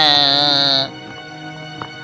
beritahu kami apa yang bisa kau lakukan